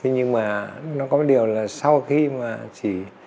nhưng mà nó có cái điều là sau khi mà chỉ